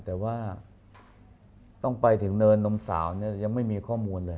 แต่ว่าต้องไปถึงเนินนมสาวเนี่ยยังไม่มีข้อมูลเลย